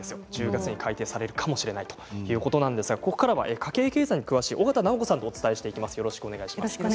１０月に改定されるということですがここからは家計経済に詳しい小方尚子さんとお伝えしていきます。